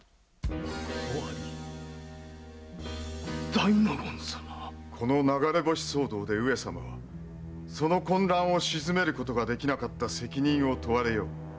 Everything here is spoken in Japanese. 尾張大納言様⁉この流れ星騒動で上様はその混乱を鎮められなかった責任を問われよう。